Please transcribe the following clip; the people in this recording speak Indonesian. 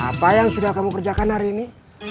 apa yang sudah kamu kerjakan hari ini